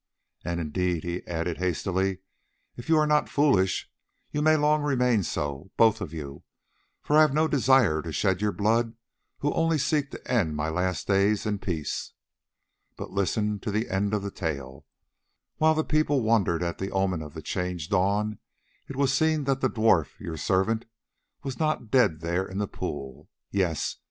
"And, indeed," he added hastily, "if you are not foolish you may long remain so, both of you, for I have no desire to shed your blood who only seek to end my last days in peace. But listen to the end of the tale: While the people wondered at the omen of the changed dawn, it was seen that the dwarf, your servant, was not dead there in the pool. Yes!